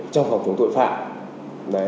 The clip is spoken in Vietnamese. trong phòng chống tội phạm